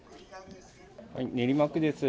練馬区です。